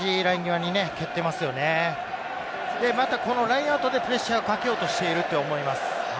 ラインアウトでプレッシャーをかけようとしていると思います。